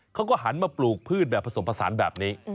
เขาก็หันมาปลูกพืชแบบผสมผสานแบบนี้